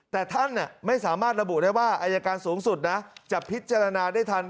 แต่ท่านไม่สามารถระบุได้ว่าอายการสูงสุดนะจะพิจารณาได้ทัน